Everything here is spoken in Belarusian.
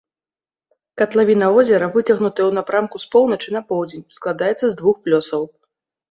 Катлавіна возера выцягнутая ў напрамку з поўначы на поўдзень, складаецца з двух плёсаў.